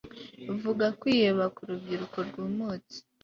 vuga kwiheba k'urubyiruko rwumutse